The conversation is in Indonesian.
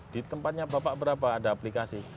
di tempatnya bapak berapa ada aplikasi